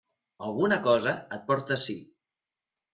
Alguna cosa et porta ací.